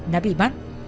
đã bị bắt